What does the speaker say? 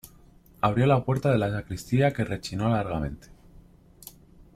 abrió la puerta de la sacristía, que rechinó largamente.